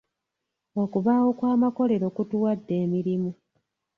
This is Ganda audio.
Okubaawo kw'amakolero kutuwadde emirimu.